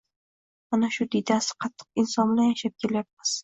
Mana shu diydasi qattiq inson bilan yashab kelyapmiz